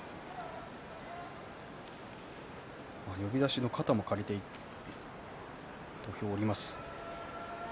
呼出しの肩を借りて土俵を下りました。